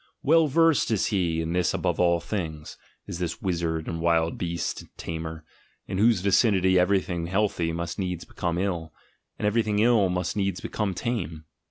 Well versed is he in this above all things, is this wizard and wild beast tamer, in whose vicinity everything healthy must needs become ill, and everything ill must needs become tame.